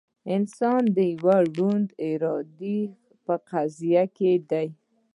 انسان د یوې ړندې ارادې په قبضه کې دی.